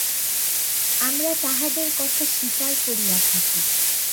আমরা তাঁহাদের কথা স্বীকার করিয়া থাকি।